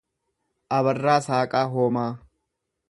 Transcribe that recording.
Abarraa Saaqaa Hoomaa